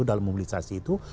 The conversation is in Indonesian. dalam mobilisasi itu